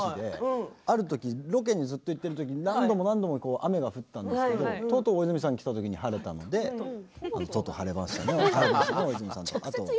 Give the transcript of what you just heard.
あるときロケにずっと行っているときに、何度も何度も雨が降ったんですけどとうとう大泉さんが来たときに晴れたのでとうとう晴れましたね大泉さんと。